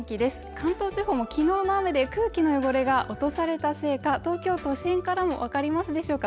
関東地方も昨日の雨で空気の汚れが落とされたせいか東京都心からもわかりますでしょうか